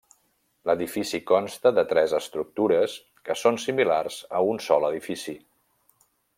L'edifici consta de tres estructures que són similars a un sol edifici.